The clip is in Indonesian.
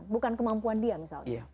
bukan kemampuan dia misalnya